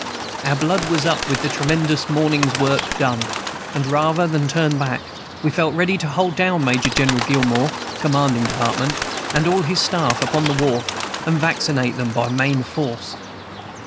"Our blood was up with a tremendous morning's work done, and, rather than turn back, we felt ready to hold down Major General Gillmore, commanding department, and all his staff upon the wharf, and vaccinate them by main force.